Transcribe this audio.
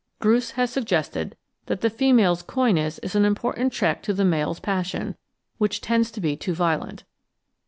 Groos has suggested that the fe male's coyness is an important check to the male's passion, which tends to be too violent.